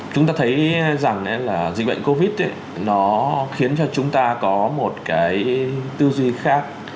chúng ta thấy rằng là dịch bệnh covid nó khiến cho chúng ta có một cái tư duy khác